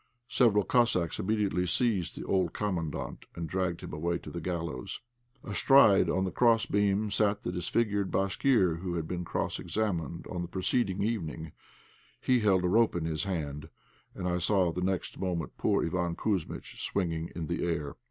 Several Cossacks immediately seized the old Commandant and dragged him away to the gallows. Astride on the crossbeam, sat the disfigured Bashkir who had been cross examined on the preceding evening; he held a rope in his hand, and I saw the next moment poor Iván Kouzmitch swinging in the air.